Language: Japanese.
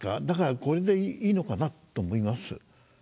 だからこれでいいのかなと思います。